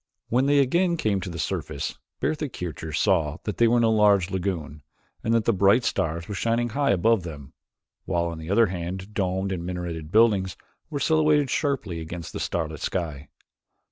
When they again came to the surface, Bertha Kircher saw that they were in a large lagoon and that the bright stars were shining high above them, while on either hand domed and minareted buildings were silhouetted sharply against the starlit sky.